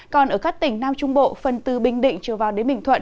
còn ở các tỉnh nam trung bộ phần từ bình định trở vào đến bình thuận